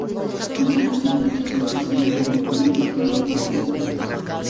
Natural de Vitoria, procede de una influyente familia de esta ciudad.